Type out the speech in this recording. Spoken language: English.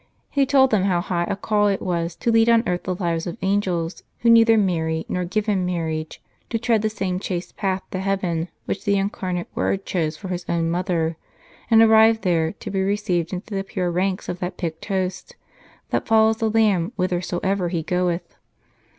He told them how high a call it w^as to lead on earth the lives of angels, who neither marry nor give in marriage, to tread the same chaste path to heaven which the Incarnate Word chose for His own Mother; and arrived there, to be received into the pure ranks of that picked host, that follows the Lamb whithersoever He goeth.